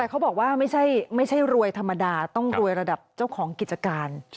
เขาบอกว่าไม่ใช่รวยธรรมดาต้องรวยระดับเจ้าของกิจการ